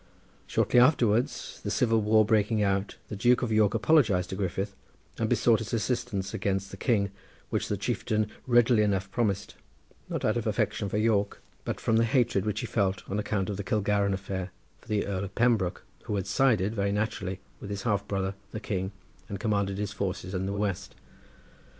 Shortly afterwards the civil war breaking out the Duke of York apologised to Griffith and besought his assistance against the king, which the chieftain readily enough promised, not out of affection for York but from the hatred which he felt, on account of the Kilgarran affair, for the Earl of Pembroke, who had sided, very naturally, with his half brother the king and commanded his forces in the west.